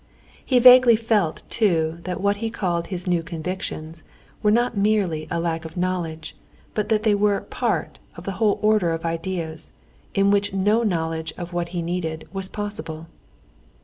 He vaguely felt, too, that what he called his new convictions were not merely lack of knowledge, but that they were part of a whole order of ideas, in which no knowledge of what he needed was possible.